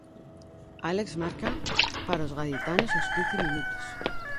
Álex marca para os gaditanos aos quince minutos.